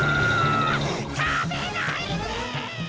食べないで！